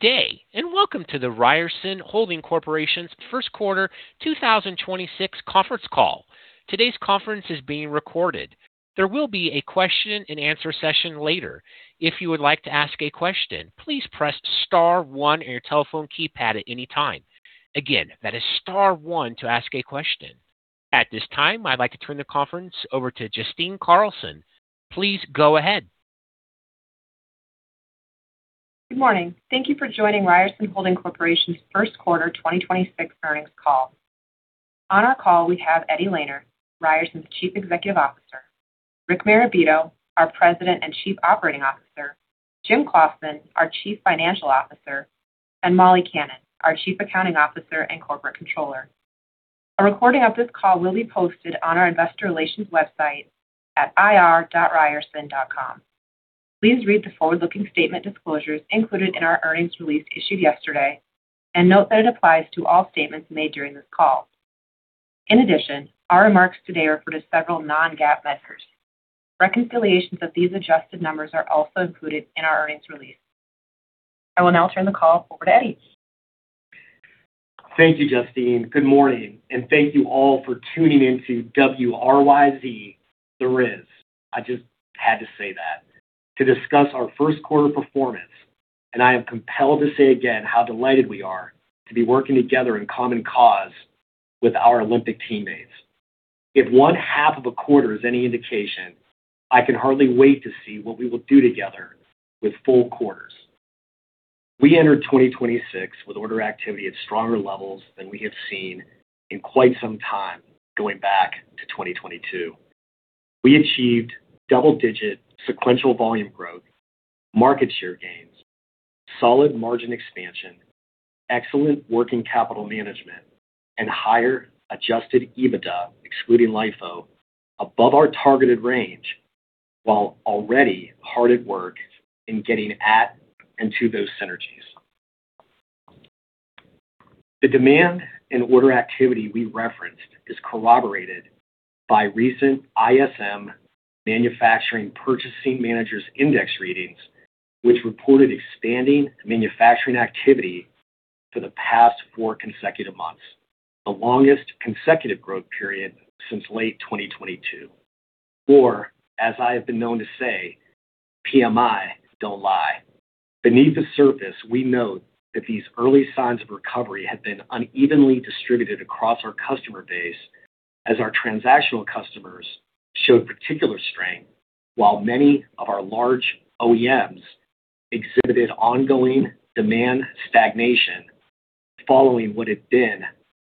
Good day, and welcome to the Ryerson Holding Corporation's 1st quarter 2026 conference call. Today's conference is being recorded. There will be a question and answer session later. If you would like to ask a question, please press star one on your telephone keypad at any time. Again, that is star one to ask a question. At this time, I'd like to turn the conference over to Justine Carlson. Please go ahead. Good morning. Thank you for joining Ryerson Holding Corporation's 1st quarter 2026 earnings call. On our call, we have Edward Lehner, Ryerson's Chief Executive Officer, Rick Marabito, our President and Chief Operating Officer, James Claussen, our Chief Financial Officer, and Molly Kannan, our Chief Accounting Officer and Corporate Controller. A recording of this call will be posted on our investor relations website at ir.ryerson.com. Please read the forward-looking statement disclosures included in our earnings release issued yesterday, and note that it applies to all statements made during this call. In addition, our remarks today refer to several non-GAAP measures. Reconciliations of these adjusted numbers are also included in our earnings release. I will now turn the call over to Eddie. Thank you, Justine. Good morning, and thank you all for tuning in to WRYZ, The Riz. I just had to say that. To discuss our first quarter performance, I am compelled to say again how delighted we are to be working together in common cause with our Olympic teammates. If one half of a quarter is any indication, I can hardly wait to see what we will do together with full quarters. We entered 2026 with order activity at stronger levels than we have seen in quite some time, going back to 2022. We achieved double-digit sequential volume growth, market share gains, solid margin expansion, excellent working capital management, and higher adjusted EBITDA, excluding LIFO, above our targeted range, while already hard at work in getting at and to those synergies. The demand in order activity we referenced is corroborated by recent ISM Manufacturing Purchasing Managers Index readings, which reported expanding manufacturing activity for the past four consecutive months, the longest consecutive growth period since late 2022. As I have been known to say, PMI don't lie. Beneath the surface, we note that these early signs of recovery have been unevenly distributed across our customer base as our transactional customers showed particular strength while many of our large OEMs exhibited ongoing demand stagnation following what had been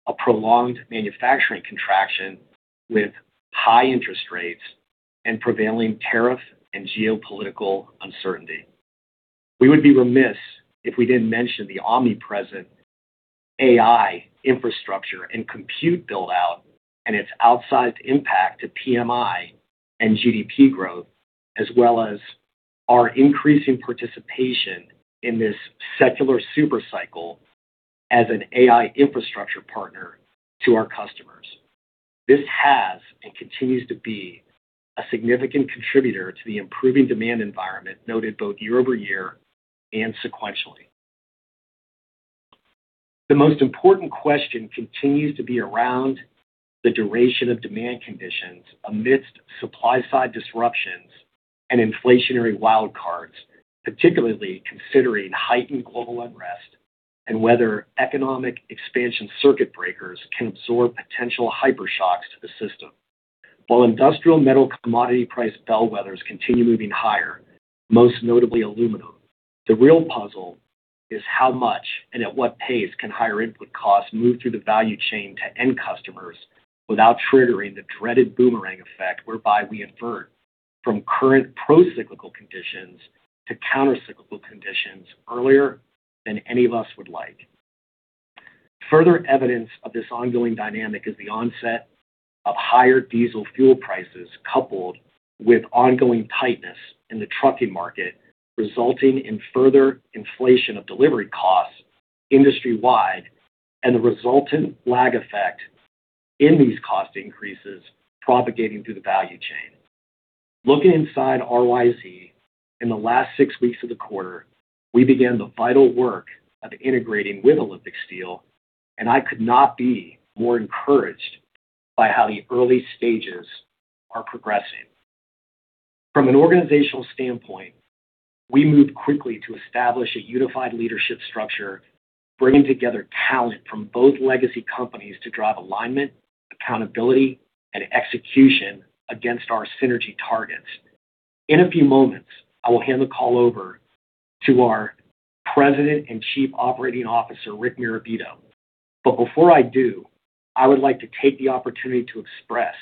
a prolonged manufacturing contraction with high interest rates and prevailing tariff and geopolitical uncertainty. We would be remiss if we didn't mention the omnipresent AI infrastructure and compute build-out and its outsized impact to PMI and GDP growth, as well as our increasing participation in this secular super cycle as an AI infrastructure partner to our customers. This has and continues to be a significant contributor to the improving demand environment noted both year over year and sequentially. The most important question continues to be around the duration of demand conditions amidst supply-side disruptions and inflationary wild cards, particularly considering heightened global unrest and whether economic expansion circuit breakers can absorb potential hyper shocks to the system. While industrial metal commodity price bellwethers continue moving higher, most notably aluminum, the real puzzle is how much and at what pace can higher input costs move through the value chain to end customers without triggering the dreaded boomerang effect, whereby we invert from current pro-cyclical conditions to countercyclical conditions earlier than any of us would like. Further evidence of this ongoing dynamic is the onset of higher diesel fuel prices coupled with ongoing tightness in the trucking market, resulting in further inflation of delivery costs industry-wide and the resultant lag effect in these cost increases propagating through the value chain. Looking inside RYZ, in the last six weeks of the quarter, we began the vital work of integrating with Olympic Steel. I could not be more encouraged by how the early stages are progressing. From an organizational standpoint, we moved quickly to establish a unified leadership structure, bringing together talent from both legacy companies to drive alignment, accountability, and execution against our synergy targets. In a few moments, I will hand the call over to our President and Chief Operating Officer, Rick Marabito. Before I do, I would like to take the opportunity to express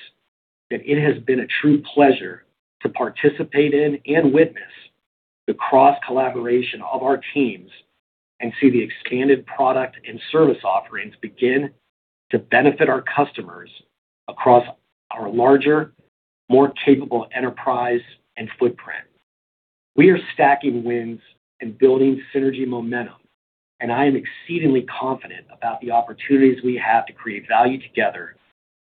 that it has been a true pleasure to participate in and witness the cross-collaboration of our teams and see the expanded product and service offerings begin to benefit our customers across our larger, more capable enterprise and footprint. We are stacking wins and building synergy momentum, and I am exceedingly confident about the opportunities we have to create value together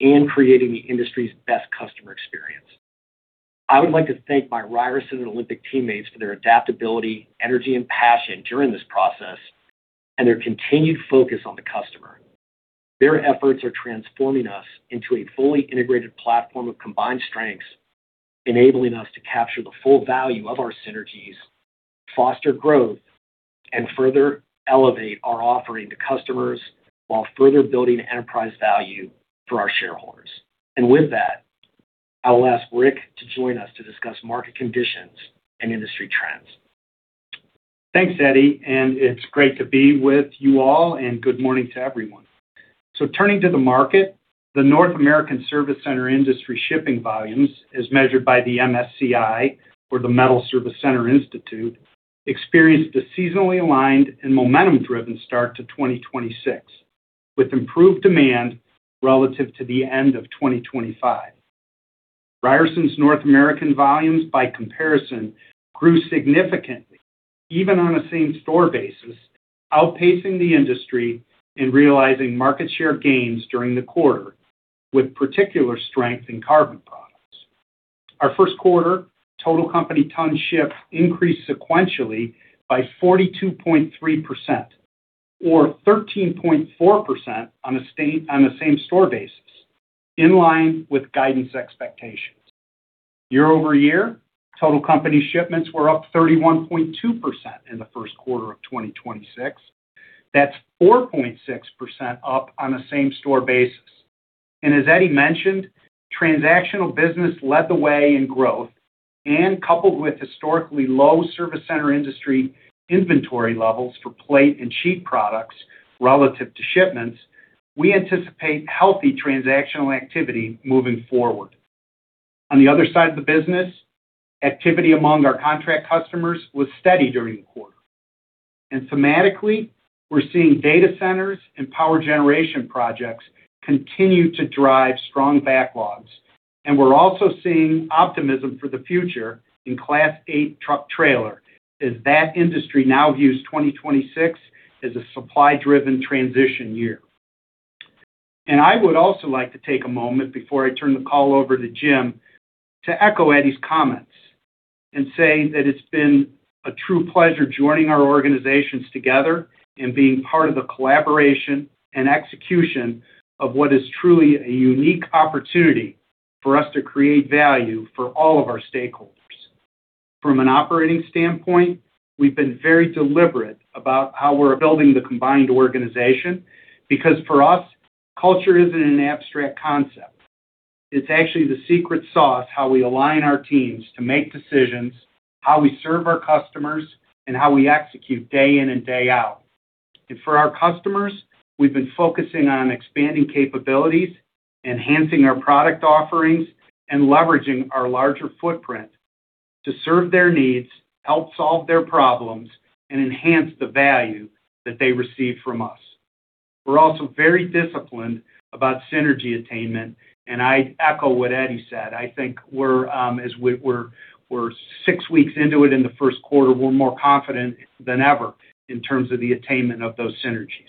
in creating the industry's best customer experience. I would like to thank my Ryerson and Olympic teammates for their adaptability, energy, and passion during this process and their continued focus on the customer. Their efforts are transforming us into a fully integrated platform of combined strengths, enabling us to capture the full value of our synergies, foster growth, and further elevate our offering to customers while further building enterprise value for our shareholders. With that, I will ask Rick to join us to discuss market conditions and industry trends. Thanks, Eddie, and it's great to be with you all. Good morning to everyone. Turning to the market, the North American Service Center Industry shipping volumes, as measured by the MSCI or the Metals Service Center Institute, experienced a seasonally aligned and momentum-driven start to 2026, with improved demand relative to the end of 2025. Ryerson's North American volumes, by comparison, grew significantly, even on a same-store basis, outpacing the industry in realizing market share gains during the quarter, with particular strength in carbon products. Our first quarter total company ton ships increased sequentially by 42.3% or 13.4% on a same-store basis, in line with guidance expectations. Year-over-year, total company shipments were up 31.2% in the first quarter of 2026. That's 4.6% up on a same-store basis. As Eddie mentioned, transactional business led the way in growth and coupled with historically low service center industry inventory levels for plate and sheet products relative to shipments, we anticipate healthy transactional activity moving forward. On the other side of the business, activity among our contract customers was steady during the quarter. Thematically, we're seeing data centers and power generation projects continue to drive strong backlogs. We're also seeing optimism for the future in Class 8 truck trailer as that industry now views 2026 as a supply-driven transition year. I would also like to take a moment before I turn the call over to Jim to echo Eddie's comments and say that it's been a true pleasure joining our organizations together and being part of the collaboration and execution of what is truly a unique opportunity for us to create value for all of our stakeholders. From an operating standpoint, we've been very deliberate about how we're building the combined organization because for us, culture isn't an abstract concept. It's actually the secret sauce, how we align our teams to make decisions, how we serve our customers, and how we execute day in and day out. For our customers, we've been focusing on expanding capabilities, enhancing our product offerings, and leveraging our larger footprint to serve their needs, help solve their problems, and enhance the value that they receive from us. We're also very disciplined about synergy attainment. I echo what Eddie said. I think we're, as we're six weeks into it in the first quarter, we're more confident than ever in terms of the attainment of those synergies.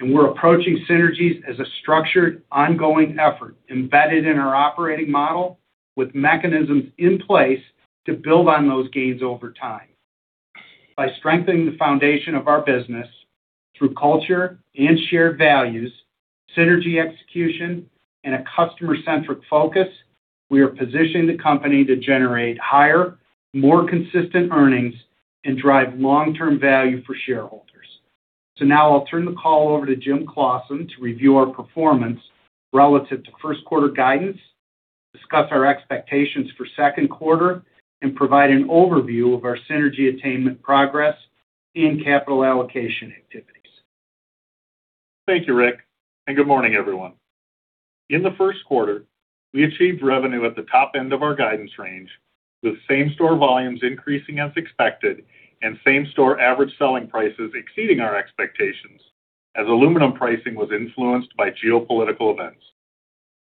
We're approaching synergies as a structured, ongoing effort embedded in our operating model with mechanisms in place to build on those gains over time. By strengthening the foundation of our business through culture and shared values, synergy execution, and a customer-centric focus, we are positioning the company to generate higher, more consistent earnings and drive long-term value for shareholders. Now I'll turn the call over to James Claussen to review our performance relative to first quarter guidance, discuss our expectations for second quarter, and provide an overview of our synergy attainment progress and capital allocation activities. Thank you, Rick, and good morning, everyone. In the first quarter, we achieved revenue at the top end of our guidance range, with same-store volumes increasing as expected and same-store average selling prices exceeding our expectations as aluminum pricing was influenced by geopolitical events.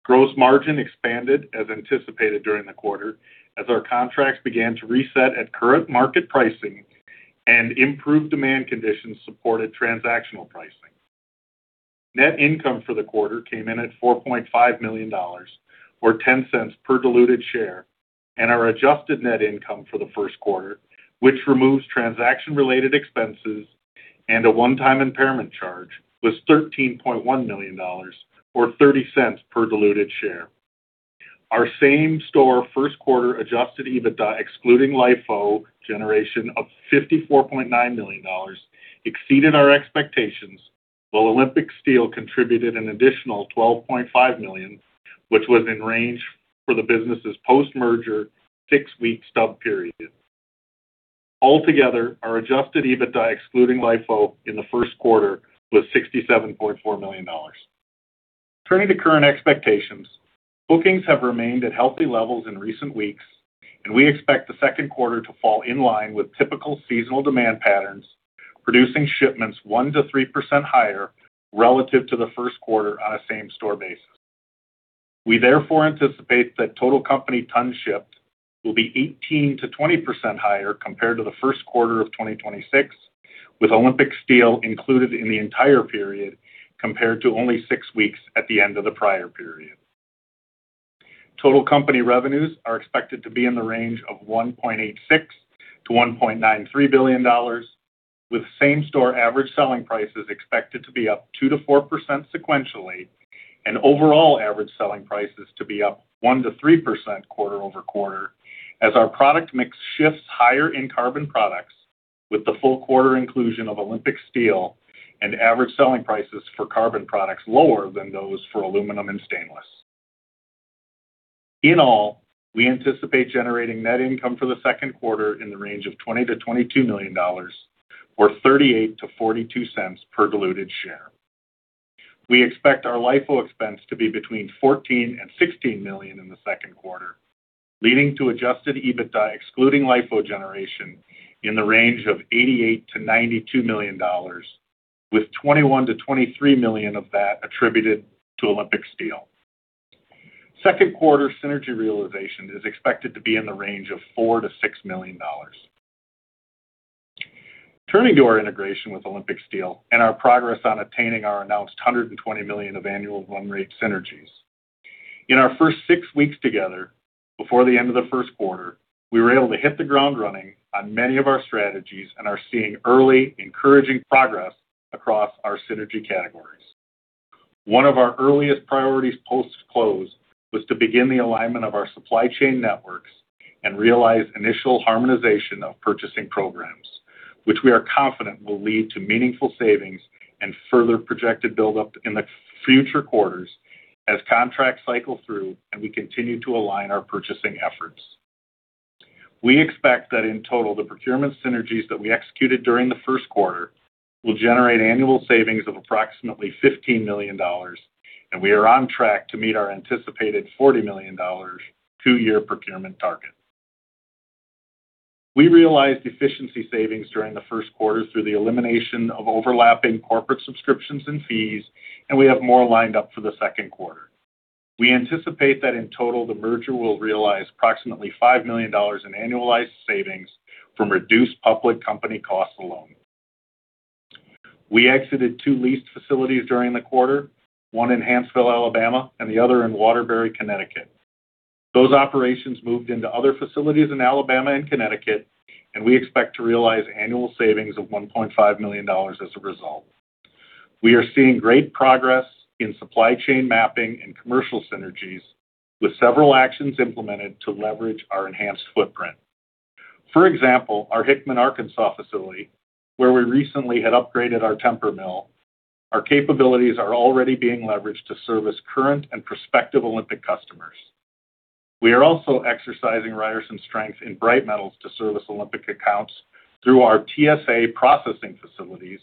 Gross margin expanded as anticipated during the quarter as our contracts began to reset at current market pricing and improved demand conditions supported transactional pricing. Net income for the quarter came in at $4.5 million or $0.10 per diluted share, our adjusted net income for the first quarter, which removes transaction-related expenses and a one-time impairment charge, was $13.1 million or $0.30 per diluted share. Our same-store first quarter adjusted EBITDA excluding LIFO generation of $54.9 million exceeded our expectations, while Olympic Steel contributed an additional $12.5 million, which was in range for the business' post-merger six-week stub period. Altogether, our adjusted EBITDA excluding LIFO in the first quarter was $67.4 million. Turning to current expectations, bookings have remained at healthy levels in recent weeks, and we expect the second quarter to fall in line with typical seasonal demand patterns, producing shipments 1%-3% higher relative to the first quarter on a same-store basis. We therefore anticipate that total company ton shipped will be 18%-20% higher compared to the first quarter of 2026, with Olympic Steel included in the entire period, compared to only six weeks at the end of the prior period. Total company revenues are expected to be in the range of $1.86 billion-$1.93 billion, with same-store average selling prices expected to be up 2%-4% sequentially, and overall average selling prices to be up 1%-3% quarter-over-quarter as our product mix shifts higher in carbon products with the full quarter inclusion of Olympic Steel and average selling prices for carbon products lower than those for aluminum and stainless. In all, we anticipate generating net income for the second quarter in the range of $20 million-$22 million or $0.38-$0.42 per diluted share. We expect our LIFO expense to be between $14 million and $16 million in the second quarter, leading to adjusted EBITDA excluding LIFO generation in the range of $88 million-$92 million, with $21 million-$23 million of that attributed to Olympic Steel. Second quarter synergy realization is expected to be in the range of $4 million-$6 million. Turning to our integration with Olympic Steel and our progress on attaining our announced $120 million of annual run rate synergies. In our first six weeks together, before the end of the first quarter, we were able to hit the ground running on many of our strategies and are seeing early, encouraging progress across our synergy categories. One of our earliest priorities post-close was to begin the alignment of our supply chain networks and realize initial harmonization of purchasing programs, which we are confident will lead to meaningful savings and further projected buildup in the future quarters as contracts cycle through and we continue to align our purchasing efforts. We expect that in total, the procurement synergies that we executed during the first quarter will generate annual savings of approximately $15 million, and we are on track to meet our anticipated $40 million two-year procurement target. We realized efficiency savings during the first quarter through the elimination of overlapping corporate subscriptions and fees, and we have more lined up for the second quarter. We anticipate that in total, the merger will realize approximately $5 million in annualized savings from reduced public company costs alone. We exited two leased facilities during the quarter, one in Hanceville, Alabama, and the other in Waterbury, Connecticut. Those operations moved into other facilities in Alabama and Connecticut, and we expect to realize annual savings of $1.5 million as a result. We are seeing great progress in supply chain mapping and commercial synergies, with several actions implemented to leverage our enhanced footprint. For example, our Hickman, Arkansas facility, where we recently had upgraded our temper mill. Our capabilities are already being leveraged to service current and prospective Olympic customers. We are also exercising Ryerson strength in bright metals to service Olympic accounts through our TSA Processing facilities,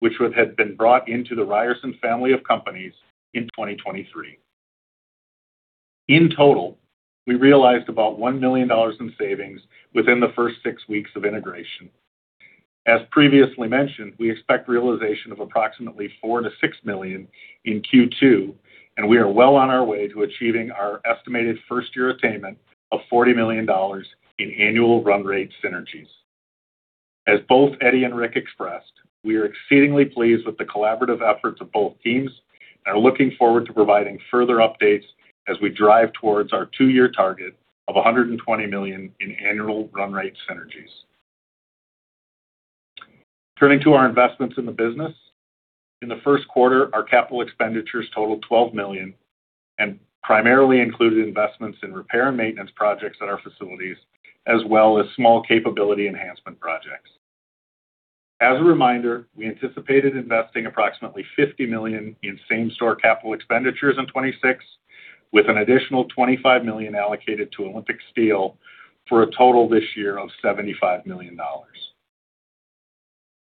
which would have been brought into the Ryerson family of companies in 2023. In total, we realized about $1 million in savings within the first six weeks of integration. As previously mentioned, we expect realization of approximately $4 million-$6 million in Q2, and we are well on our way to achieving our estimated first-year attainment of $40 million in annual run rate synergies. As both Eddie and Rick expressed, we are exceedingly pleased with the collaborative efforts of both teams and are looking forward to providing further updates as we drive towards our two-year target of $120 million in annual run rate synergies. Turning to our investments in the business. In the first quarter, our capital expenditures totaled $12 million and primarily included investments in repair and maintenance projects at our facilities, as well as small capability enhancement projects. As a reminder, we anticipated investing approximately $50 million in same-store capital expenditures in 2026, with an additional $25 million allocated to Olympic Steel, for a total this year of $75 million.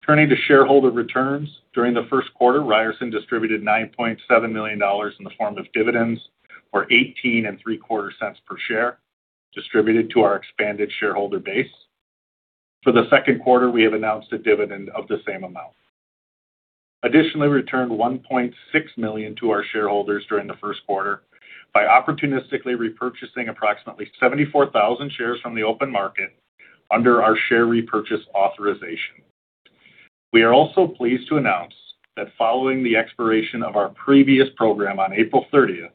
Turning to shareholder returns. During the first quarter, Ryerson distributed $9.7 million in the form of dividends, or $0.1875 per share distributed to our expanded shareholder base. For the second quarter, we have announced a dividend of the same amount. Additionally, we returned $1.6 million to our shareholders during the first quarter by opportunistically repurchasing approximately 74,000 shares from the open market under our share repurchase authorization. We are also pleased to announce that following the expiration of our previous program on April 30th,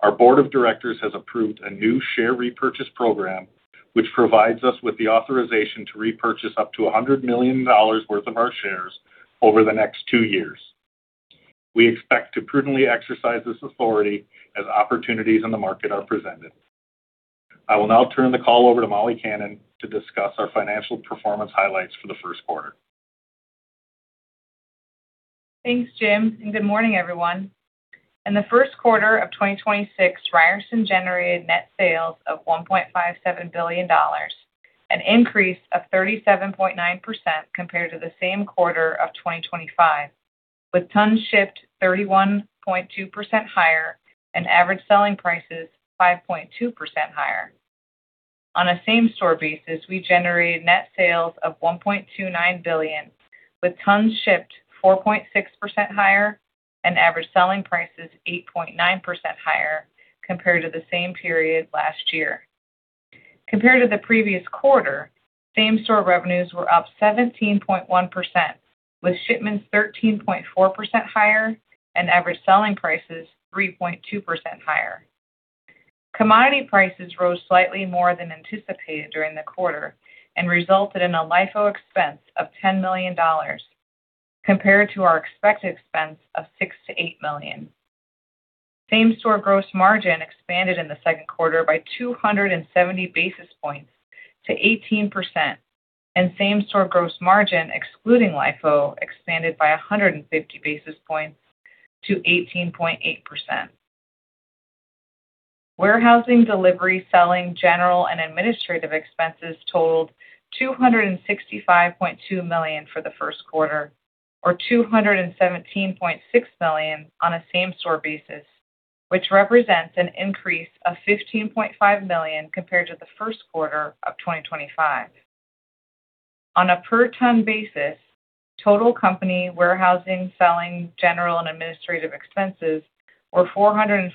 our board of directors has approved a new share repurchase program, which provides us with the authorization to repurchase up to $100 million worth of our shares over the next two years. We expect to prudently exercise this authority as opportunities in the market are presented. I will now turn the call over to Molly Kannan to discuss our financial performance highlights for the first quarter. Thanks, Jim, and good morning, everyone. In the first quarter of 2026, Ryerson generated net sales of $1.57 billion, an increase of 37.9% compared to the same quarter of 2025, with tons shipped 31.2% higher and average selling prices 5.2% higher. On a same-store basis, we generated net sales of $1.29 billion, with tons shipped 4.6% higher and average selling prices 8.9% higher compared to the same period last year. Compared to the previous quarter, same-store revenues were up 17.1%, with shipments 13.4% higher and average selling prices 3.2% higher. Commodity prices rose slightly more than anticipated during the quarter and resulted in a LIFO expense of $10 million compared to our expected expense of $6 million-$8 million. Same-store gross margin expanded in the second quarter by 270 basis points to 18%, and same-store gross margin, excluding LIFO, expanded by 150 basis points to 18.8%. Warehousing, delivery, selling, general, and administrative expenses totaled $265.2 million for the first quarter, or $217.6 million on a same-store basis, which represents an increase of $15.5 million compared to the first quarter of 2025. On a per ton basis, total company warehousing, selling, general, and administrative expenses were $404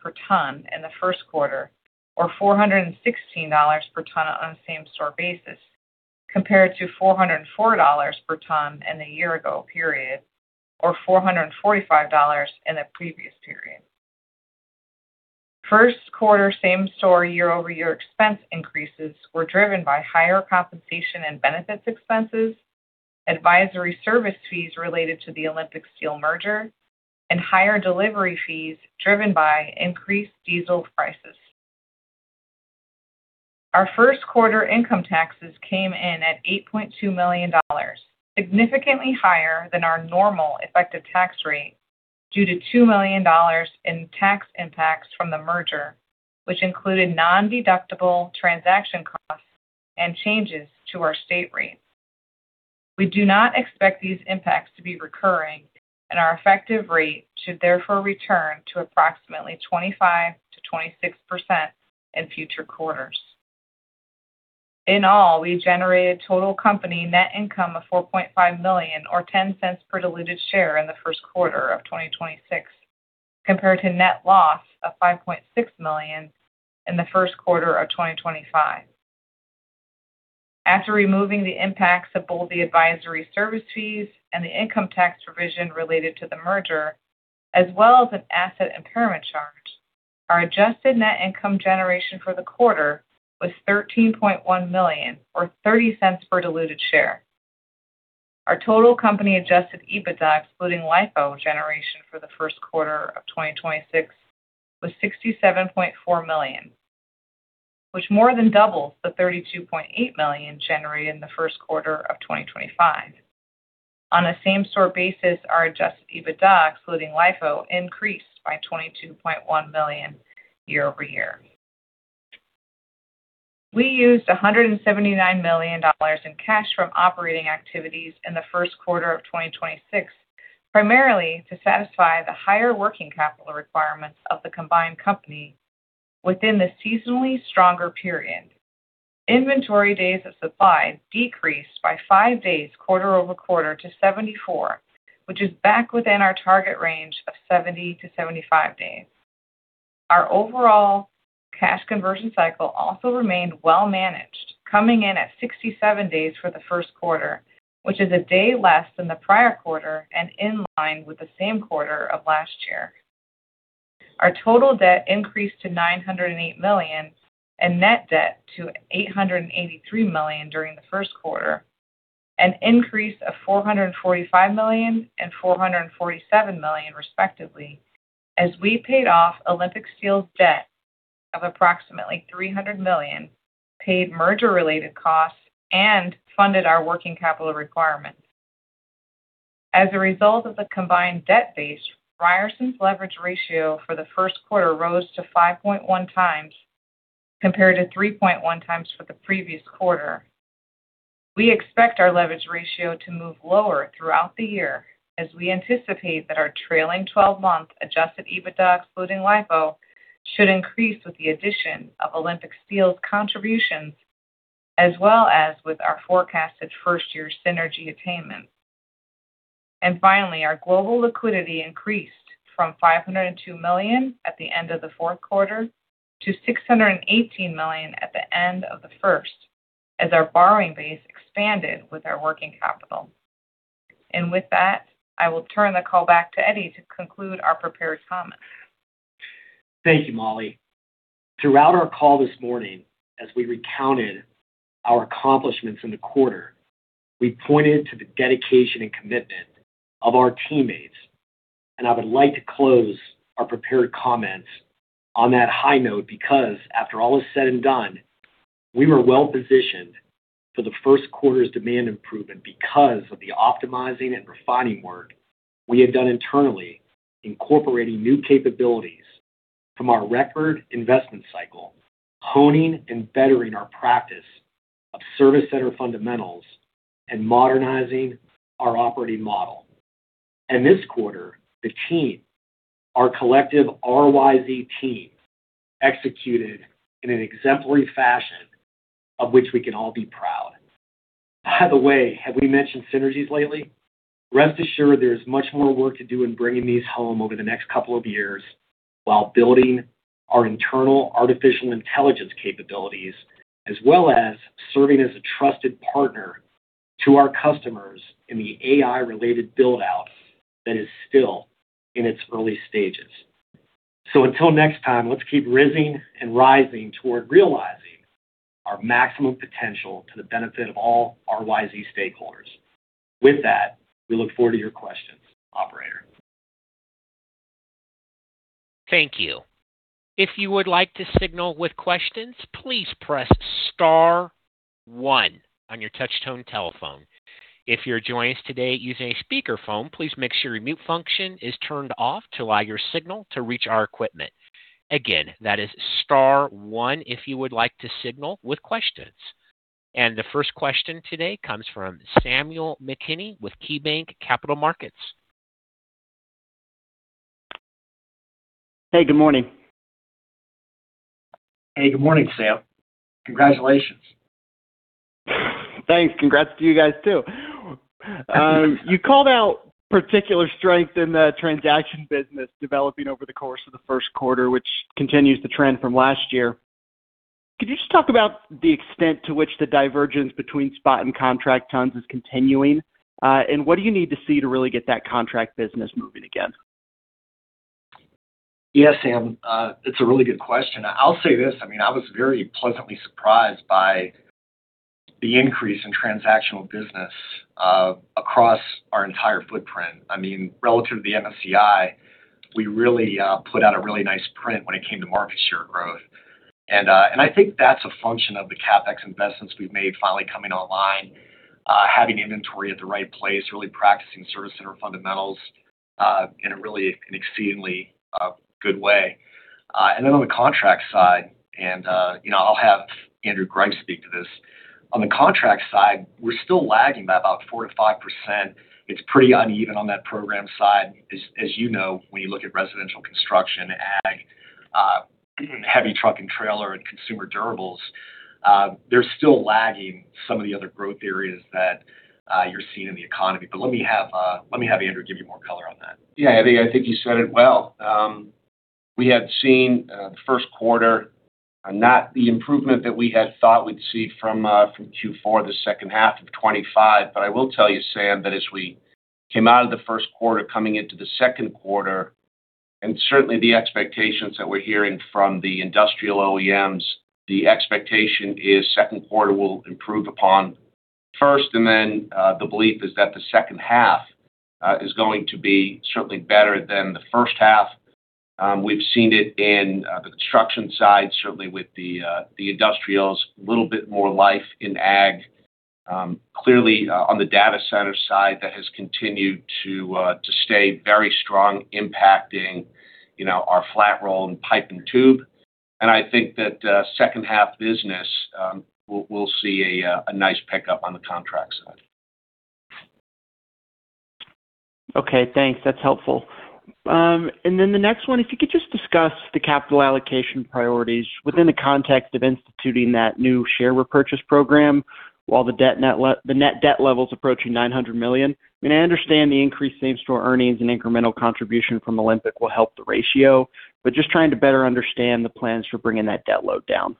per ton in the first quarter, or $416 per ton on a same-store basis, compared to $404 per ton in the year ago period, or $445 in the previous period. First quarter same-store year-over-year expense increases were driven by higher compensation and benefits expenses, advisory service fees related to the Olympic Steel merger, and higher delivery fees driven by increased diesel prices. Our first quarter income taxes came in at $8.2 million, significantly higher than our normal effective tax rate due to $2 million in tax impacts from the merger, which included non-deductible transaction costs and changes to our state rate. We do not expect these impacts to be recurring, and our effective rate should therefore return to approximately 25%-26% in future quarters. In all, we generated total company net income of $4.5 million, or $0.10 per diluted share in the first quarter of 2026, compared to net loss of $5.6 million in the first quarter of 2025. After removing the impacts of both the advisory service fees and the income tax revision related to the merger, as well as an asset impairment charge, our adjusted net income generation for the quarter was $13.1 million, or $0.30 per diluted share. Our total company adjusted EBITDA, excluding LIFO generation for the first quarter of 2026, was $67.4 million, which more than doubles the $32.8 million generated in the first quarter of 2025. On a same-store basis, our adjusted EBITDA, excluding LIFO, increased by $22.1 million year-over-year. We used $179 million in cash from operating activities in the first quarter of 2026, primarily to satisfy the higher working capital requirements of the combined company within the seasonally stronger period. Inventory days of supply decreased by five days quarter-over-quarter to 74, which is back within our target range of 70 to 75 days. Our overall cash conversion cycle also remained well managed, coming in at 67 days for the first quarter, which is a day less than the prior quarter and in line with the same quarter of last year. Our total debt increased to $908 million, and net debt to $883 million during the first quarter, an increase of $445 million and $447 million respectively as we paid off Olympic Steel's debt of approximately $300 million, paid merger-related costs, and funded our working capital requirements. As a result of the combined debt base, Ryerson's leverage ratio for the first quarter rose to 5.1 times compared to 3.1 times for the previous quarter. We expect our leverage ratio to move lower throughout the year as we anticipate that our trailing-twelve-month adjusted EBITDA excluding LIFO should increase with the addition of Olympic Steel's contributions as well as with our forecasted first-year synergy attainments. Finally, our global liquidity increased from $502 million at the end of the fourth quarter to $618 million at the end of the first as our borrowing base expanded with our working capital. With that, I will turn the call back to Eddie to conclude our prepared comments. Thank you, Molly. Throughout our call this morning, as we recounted our accomplishments in the quarter, we pointed to the dedication and commitment of our teammates. I would like to close our prepared comments on that high note because after all is said and done, we were well-positioned for the first quarter's demand improvement because of the optimizing and refining work we have done internally, incorporating new capabilities from our record investment cycle, honing and bettering our practice of service-centered fundamentals, and modernizing our operating model. This quarter, the team, our collective RYZ team, executed in an exemplary fashion of which we can all be proud. By the way, have we mentioned synergies lately? Rest assured, there's much more work to do in bringing these home over the next couple of years while building our internal artificial intelligence capabilities, as well as serving as a trusted partner to our customers in the AI-related build-out that is still in its early stages. Until next time, let's keep rising and rising toward realizing our maximum potential to the benefit of all our RYZ stakeholders. With that, we look forward to your questions. Operator. Thank you. If you would like to signal with questions, please press star one on your touch-tone telephone. If you're joining us today using a speakerphone, please make sure your mute function is turned off to allow your signal to reach our equipment. Again, that is star one if you would like to signal with questions. The first question today comes from Samuel McKinney with KeyBanc Capital Markets. Hey, good morning. Hey, good morning, Sam. Congratulations. Thanks. Congrats to you guys, too. You called out particular strength in the transaction business developing over the course of the first quarter, which continues the trend from last year. Could you just talk about the extent to which the divergence between spot and contract tons is continuing? What do you need to see to really get that contract business moving again? Yeah, Sam, it's a really good question. I'll say this, I mean, I was very pleasantly surprised by the increase in transactional business across our entire footprint. I mean, relative to the MSCI, we really put out a really nice print when it came to market share growth. I think that's a function of the CapEx investments we've made finally coming online, having inventory at the right place, really practicing service center fundamentals in an exceedingly good way. Then on the contract side, you know, I'll have Andrew Greiff speak to this. On the contract side, we're still lagging by about 4%-5%. It's pretty uneven on that program side. As you know, when you look at residential construction, ag, heavy truck and trailer, and consumer durables, they're still lagging some of the other growth areas that you're seeing in the economy. Let me have Andrew give you more color on that. Yeah, Eddie, I think you said it well. We had seen the first quarter not the improvement that we had thought we'd see from Q4 the second half of 2025. I will tell you, Sam, that as we came out of the first quarter coming into the second quarter, and certainly the expectations that we're hearing from the industrial OEMs, the expectation is second quarter will improve upon first. The belief is that the second half is going to be certainly better than the first half. We've seen it in the construction side, certainly with the industrials, a little bit more life in ag. Clearly, on the data center side, that has continued to stay very strong, impacting, you know, our flat roll and pipe and tube. I think that, second half business, we'll see a nice pickup on the contract side. Okay. Thanks. That's helpful. The next one, if you could just discuss the capital allocation priorities within the context of instituting that new share repurchase program while the net debt level is approaching $900 million. I mean, I understand the increased same-store earnings and incremental contribution from Olympic will help the ratio, just trying to better understand the plans for bringing that debt load down.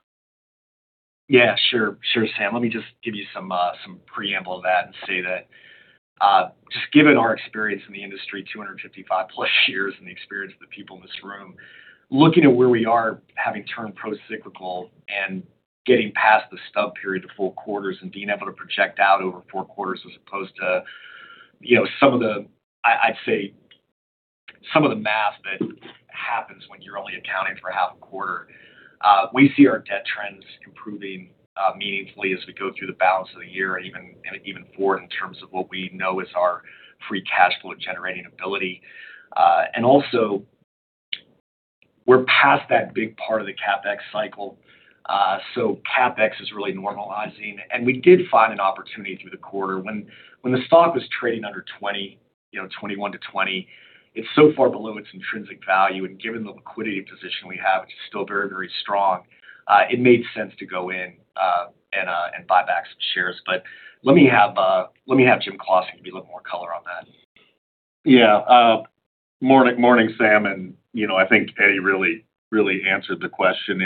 Yeah, sure. Sure, Sam. Let me just give you some preamble of that and say that, just given our experience in the industry, 255 plus years, and the experience of the people in this room, looking at where we are, having turned procyclical and getting past the stub period to full quarters and being able to project out over four quarters as opposed to, you know, some of the math that happens when you're only accounting for half a quarter. We see our debt trends improving meaningfully as we go through the balance of the year and even forward in terms of what we know is our free cash flow generating ability. Also, we're past that big part of the CapEx cycle. CapEx is really normalizing. We did find an opportunity through the quarter. When the stock was trading under $20, you know, $21-$20, it's so far below its intrinsic value, and given the liquidity position we have, which is still very, very strong, it made sense to go in and buy back some shares. Let me have Jim Claussen give you a little more color on that. Morning, morning, Sam. You know, I think Eddie really answered the question.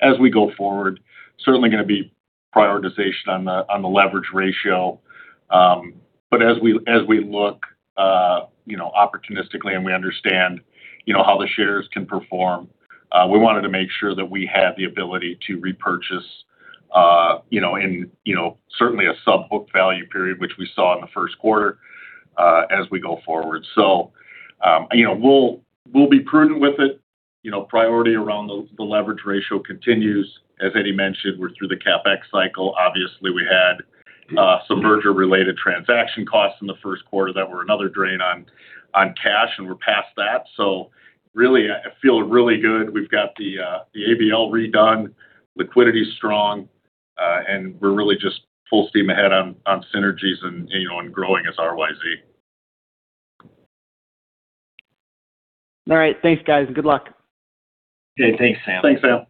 As we go forward, certainly gonna be prioritization on the leverage ratio. As we look, you know, opportunistically and we understand, you know, how the shares can perform, we wanted to make sure that we had the ability to repurchase, in certainly a sub-book value period, which we saw in the first quarter, as we go forward. You know, we'll be prudent with it. You know, priority around the leverage ratio continues. As Eddie mentioned, we're through the CapEx cycle. Obviously, we had some merger-related transaction costs in the first quarter that were another drain on cash, we're past that. Really, I feel really good. We've got the ABL redone, liquidity is strong, and we're really just full steam ahead on synergies and, you know, on growing as RYZ. All right. Thanks, guys, and good luck. Okay. Thanks, Sam. Thanks, Sam.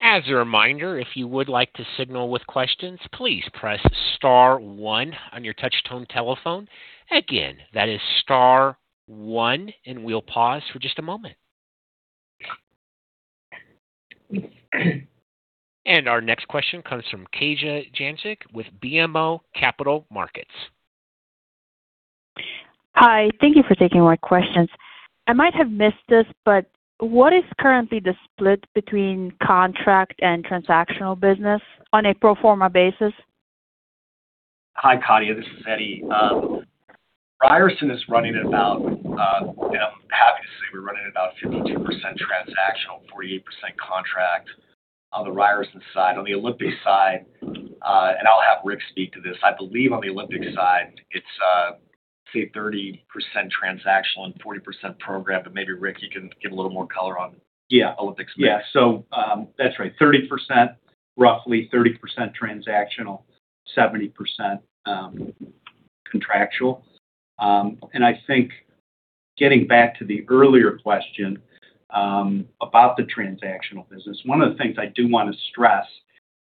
As a reminder, if you would like to signal with questions, please press star one on your touch tone telephone. Again, that is star one, and we'll pause for just a moment. Our next question comes from Katja Jancic with BMO Capital Markets. Hi. Thank you for taking my questions. I might have missed this, but what is currently the split between contract and transactional business on a pro forma basis? Hi, Katja. This is Eddie. Ryerson is running at about, and I'm happy to say we're running at about 52% transactional, 48% contract on the Ryerson side. On the Olympic side, and I'll have Rick speak to this. I believe on the Olympic side, it's, say 30% transactional and 40% program, but maybe Rick you can give a little more color on- Yeah Olympic's mix. Yeah. That's right. 30%, roughly 30% transactional, 70% contractual. I think getting back to the earlier question about the transactional business, one of the things I do wanna stress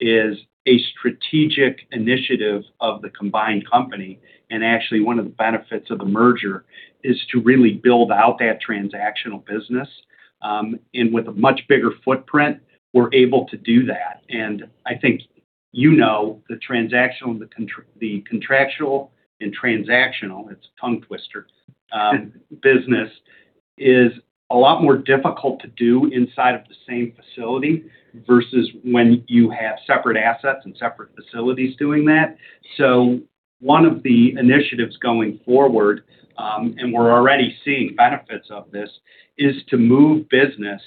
is a strategic initiative of the combined company, and actually one of the benefits of the merger is to really build out that transactional business. With a much bigger footprint, we're able to do that. I think you know the transactional, the contractual and transactional, it's a tongue twister, business is a lot more difficult to do inside of the same facility versus when you have separate assets and separate facilities doing that. One of the initiatives going forward, and we're already seeing benefits of this, is to move business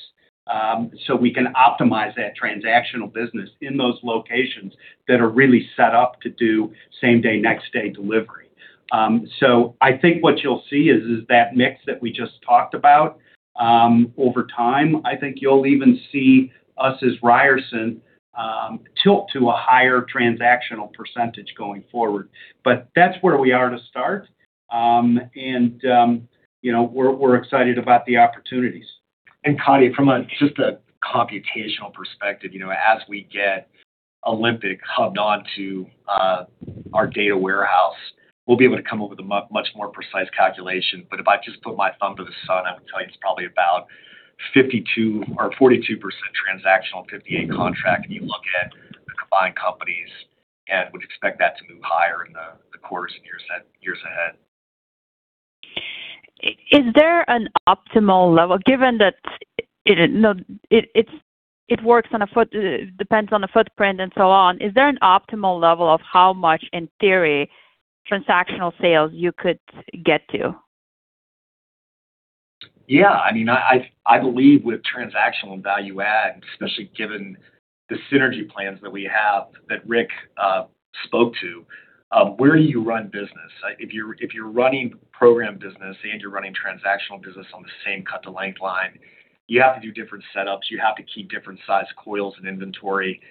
so we can optimize that transactional business in those locations that are really set up to do same day, next day delivery. I think what you'll see is that mix that we just talked about. Over time, I think you'll even see us as Ryerson tilt to a higher transactional percentage going forward. That's where we are to start. You know, we're excited about the opportunities. Katja, from a, just a computational perspective, you know, as we get Olympic hubbed on to our data warehouse, we'll be able to come up with a much more precise calculation. If I just put my thumb to the sun, I would tell you it's probably about 52% or 42% transactional, 58% contract, and you look at the combined companies and would expect that to move higher in the course and years ahead. Is there an optimal level? Given that it works on a foot. Depends on the footprint and so on. Is there an optimal level of how much, in theory, transactional sales you could get to? I mean, I believe with transactional and value add, especially given the synergy plans that we have that Rick spoke to, where do you run business? If you're running program business and you're running transactional business on the same cut to length line, you have to do different setups. You have to keep different size coils and inventory.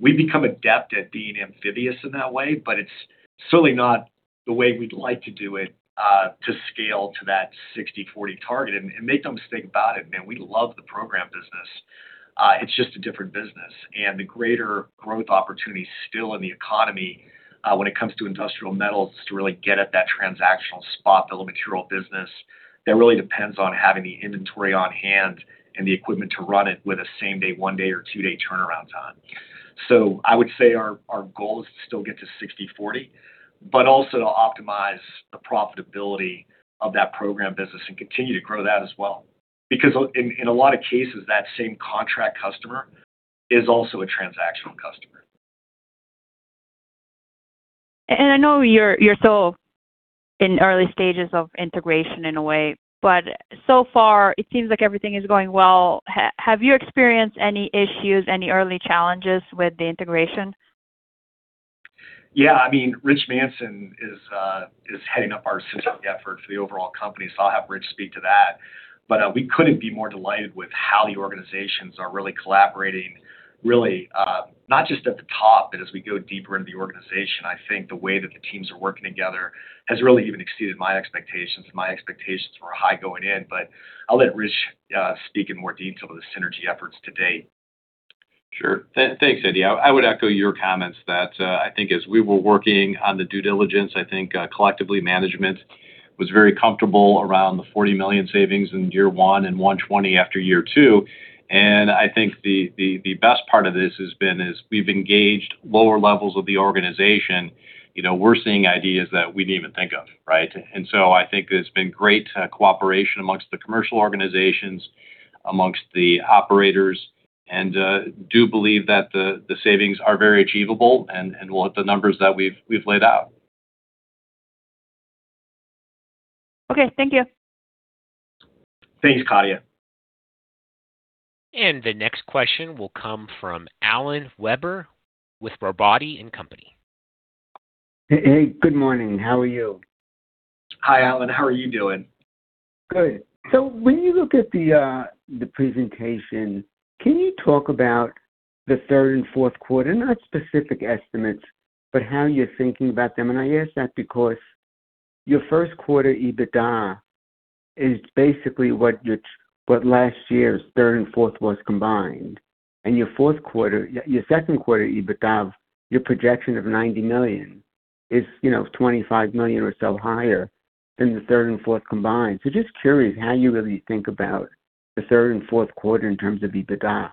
We've become adept at being amphibious in that way, but it's certainly not the way we'd like to do it to scale to that 60/40 target. Make no mistake about it, man, we love the program business. It's just a different business. The greater growth opportunity still in the economy, when it comes to industrial metals, is to really get at that transactional spot filler material business that really depends on having the inventory on hand and the equipment to run it with a same day, one day, or two day turnaround time. I would say our goal is to still get to 60/40, but also to optimize the profitability of that program business and continue to grow that as well. Because in a lot of cases, that same contract customer is also a transactional customer. I know you're still in early stages of integration in a way, but so far it seems like everything is going well. Have you experienced any issues, any early challenges with the integration? Yeah. I mean, Rich Manson is heading up our synergy effort for the overall company, so I'll have Rich speak to that. We couldn't be more delighted with how the organizations are really collaborating really not just at the top, but as we go deeper into the organization. I think the way that the teams are working together has really even exceeded my expectations, and my expectations were high going in. I'll let Rich speak in more detail to the synergy efforts to date. Sure. Thanks, Eddie. I would echo your comments that I think as we were working on the due diligence, I think collectively management was very comfortable around the $40 million savings in year one and $120 million after year two. I think the best part of this has been is we've engaged lower levels of the organization. You know, we're seeing ideas that we didn't even think of, right? I think there's been great cooperation amongst the commercial organizations, amongst the operators, and do believe that the savings are very achievable and will hit the numbers that we've laid out. Okay. Thank you. Thanks, Katja. The next question will come from Alan Weber with Robotti & Company. Hey. Good morning. How are you? Hi, Alan. How are you doing? Good. When you look at the presentation, can you talk about the third and fourth quarter, not specific estimates, but how you're thinking about them. I ask that because your first quarter EBITDA is basically what last year's third and fourth was combined. Your second quarter EBITDA, your projection of $90 million is, you know, $25 million or so higher than the third and fourth combined. Just curious how you really think about the third and fourth quarter in terms of EBITDA.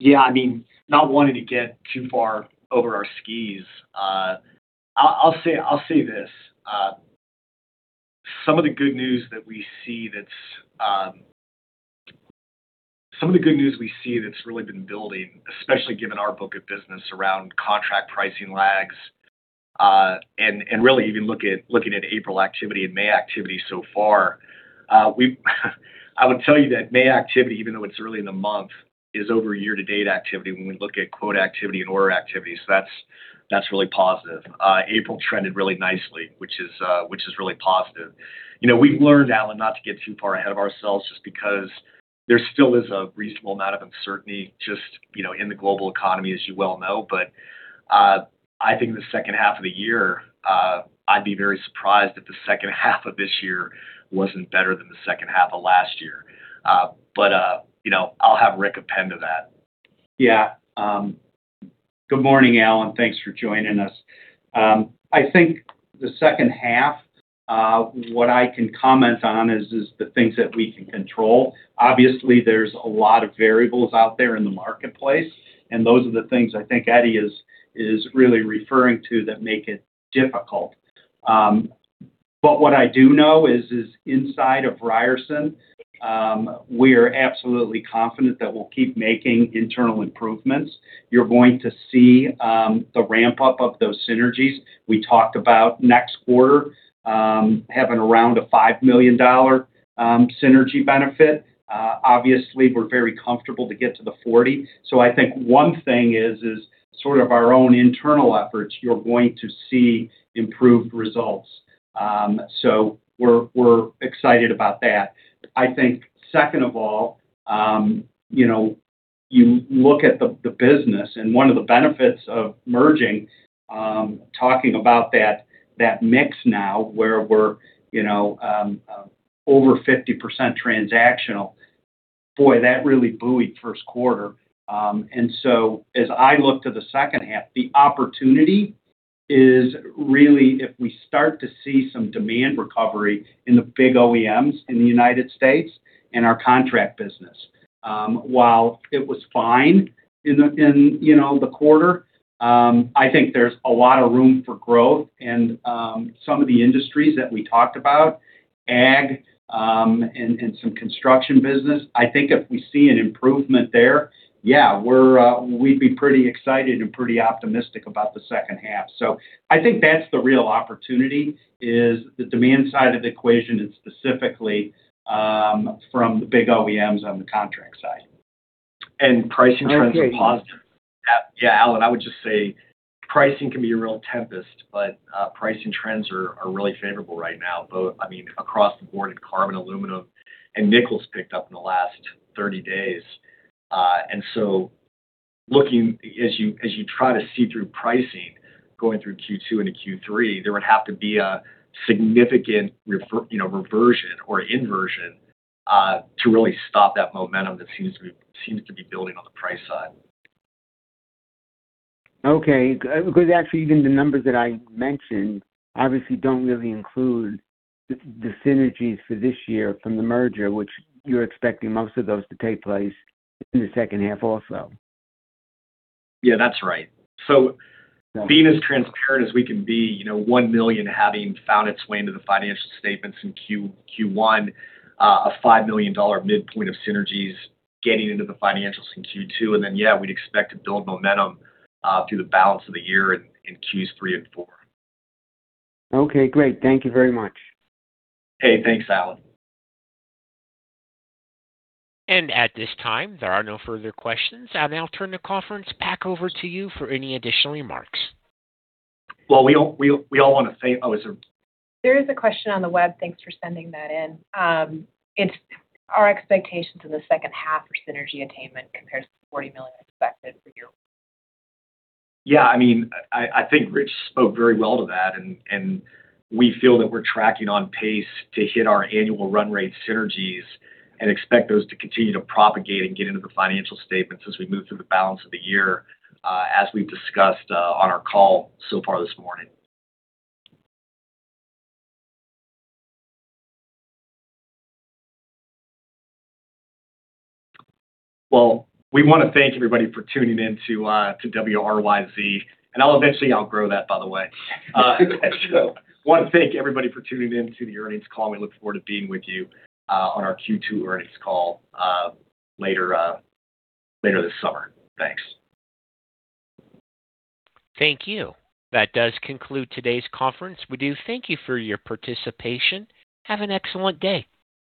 Yeah. I mean, not wanting to get too far over our skis, I'll say this. Some of the good news we see that's really been building, especially given our book of business around contract pricing lags, and really even looking at April activity and May activity so far, I would tell you that May activity, even though it's early in the month, is over year-to-date activity when we look at quote activity and order activity. That's really positive. April trended really nicely, which is really positive. You know, we've learned, Alan, not to get too far ahead of ourselves just because there still is a reasonable amount of uncertainty just, you know, in the global economy, as you well know. I think the second half of the year, I'd be very surprised if the second half of this year wasn't better than the second half of last year. You know, I'll have Rick append to that. Good morning, Alan. Thanks for joining us. I think the second half, what I can comment on is the things that we can control. Obviously, there's a lot of variables out there in the marketplace, and those are the things I think Eddie is really referring to that make it difficult. What I do know is inside of Ryerson, we're absolutely confident that we'll keep making internal improvements. You're going to see the ramp-up of those synergies. We talked about next quarter, having around a $5 million synergy benefit. Obviously, we're very comfortable to get to the 40. I think one thing is sort of our own internal efforts, you're going to see improved results. We're excited about that. I think second of all, you know, you look at the business, and one of the benefits of merging, talking about that mix now where we're, you know, over 50% transactional, boy, that really buoyed first quarter. As I look to the second half, the opportunity is really if we start to see some demand recovery in the big OEMs in the U.S. and our contract business. While it was fine in, you know, the quarter, I think there's a lot of room for growth. Some of the industries that we talked about, and some construction business, I think if we see an improvement there, yeah, we're, we'd be pretty excited and pretty optimistic about the second half. I think that's the real opportunity is the demand side of the equation and specifically, from the big OEMs on the contract side. Pricing trends are positive. Yeah, Alan, I would just say pricing can be a real tempest, but pricing trends are really favorable right now, both, I mean, across the board in carbon, aluminum, and nickel picked up in the last 30 days. Looking as you try to see through pricing going through Q2 into Q3, there would have to be a significant reversion or inversion, you know, to really stop that momentum that seems to be building on the price side. Okay. Actually even the numbers that I mentioned obviously don't really include the synergies for this year from the merger, which you're expecting most of those to take place in the second half also. Yeah, thats right. So, being as transparent as we can be, you know, $1 million having found its way into the financial statements in Q1, a $5 million midpoint of synergies getting into the financials in Q2, yeah, we'd expect to build momentum through the balance of the year in Q3 and Q4. Okay, great. Thank you very much. Hey, thanks, Alan. At this time, there are no further questions. I'll now turn the conference back over to you for any additional remarks. Well, we all want to thank. There is a question on the web. Thanks for sending that in. It's our expectations in the second half for synergy attainment compares to $40 million expected for year. Yeah, I mean, I think Rich spoke very well to that, and we feel that we're tracking on pace to hit our annual run rate synergies and expect those to continue to propagate and get into the financial statements as we move through the balance of the year, as we've discussed on our call so far this morning. Well, we wanna thank everybody for tuning in to WRYZ, and I'll eventually outgrow that, by the way. Wanna thank everybody for tuning in to the earnings call. We look forward to being with you on our Q2 earnings call later later this summer. Thanks. Thank you. That does conclude today's conference. We do thank you for your participation. Have an excellent day.